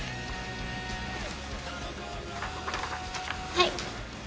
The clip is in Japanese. はい。